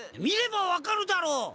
見れば分かるだろう！